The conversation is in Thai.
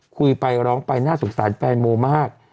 คุยไปร้องไปน่าสงสารแฟนโมมาก